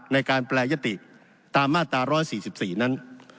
ในการแปรยติตามมาตรา๑๔๔นั้น